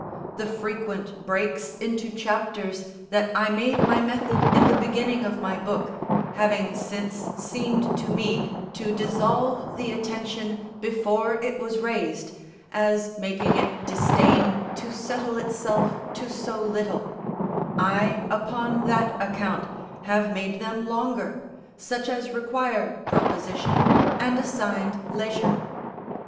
The frequent breaks into chapters that I made my method in the beginning of my book, having since seemed to me to dissolve the attention before it was raised, as making it disdain to settle itself to so little, I, upon that account, have made them longer, such as require proposition and assigned leisure.